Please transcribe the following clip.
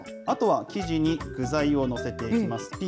あとは生地に具材を載せていきます。